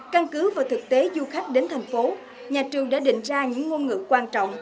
căn cứ vào thực tế du khách đến thành phố nhà trường đã định ra những ngôn ngữ quan trọng